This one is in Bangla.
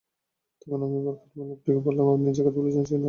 তখন আমি বরকতময় লোকটিকে বললাম, আপনি যে কথা বলেছেন তা আমাকে শিখিয়ে দিন।